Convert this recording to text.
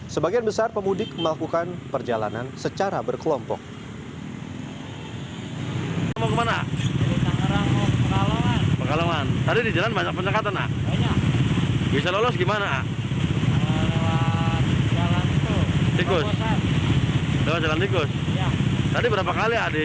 sebagian besar pemudik melakukan perjalanan secara berkelompok